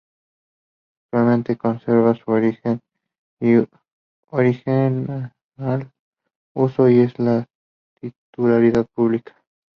Actualmente conserva su original uso y es de titularidad pública.